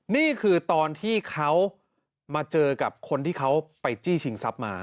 นี่คือตอนที่เขามาเจอกับคนที่เขาไปจี้ชิงทรัพย์มา